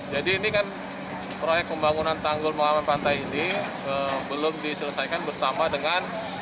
jadi ini kan proyek pembangunan tanggul pengaman pantai ini belum diselesaikan bersama dengan